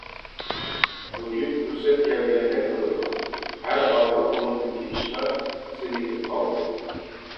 بۈگۈن پۇرسەت كەلگەندەك قىلىدۇ، ھەرھالدا قولۇمدىكى ئىشلار سېلىكىپ قالدى.